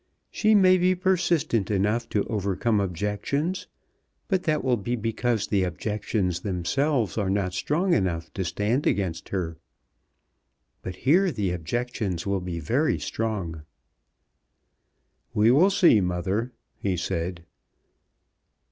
She may be persistent enough to overcome objections, but that will be because the objections themselves are not strong enough to stand against her. But here the objections will be very strong." "We will see, mother," he said.